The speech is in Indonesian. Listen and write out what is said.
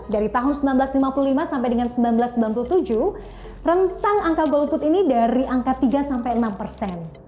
dari tahun seribu sembilan ratus lima puluh lima sampai dengan seribu sembilan ratus sembilan puluh tujuh rentang angka golput ini dari angka tiga sampai enam persen